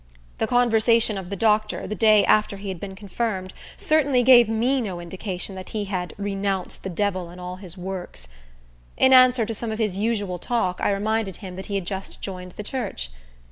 The conversation of the doctor, the day after he had been confirmed, certainly gave me no indication that he had "renounced the devil and all his works." In answer to some of his usual talk, I reminded him that he had just joined the church.